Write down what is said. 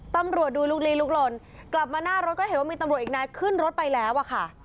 ตำรวจดูลุกลีลุกลนกลับมาหน้ารถก็เห็นว่ามีตำรวจอีกนายขึ้นรถไปแล้วอะค่ะ